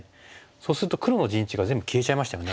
そうすると黒の陣地が全部消えちゃいましたよね。